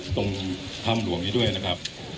คุณผู้ชมไปฟังผู้ว่ารัฐกาลจังหวัดเชียงรายแถลงตอนนี้ค่ะ